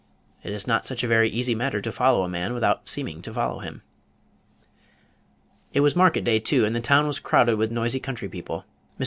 It is not such a very easy matter to follow a man without seeming to follow him. It was market day too, and the town was crowded with noisy country people. Mr.